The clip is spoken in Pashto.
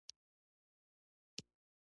یعنې دا د عاقلانو یو توافق دی.